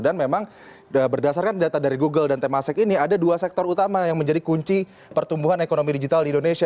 memang berdasarkan data dari google dan temasek ini ada dua sektor utama yang menjadi kunci pertumbuhan ekonomi digital di indonesia